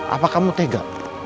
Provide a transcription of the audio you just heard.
apa kamu tega